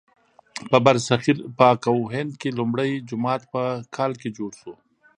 په برصغیر پاک و هند کې لومړی جومات په کال کې جوړ شو.